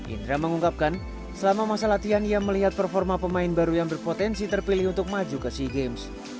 indra mengungkapkan selama masa latihan ia melihat performa pemain baru yang berpotensi terpilih untuk maju ke sea games